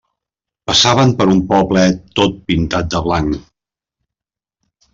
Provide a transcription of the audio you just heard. Passaven per un poblet tot pintat de blanc.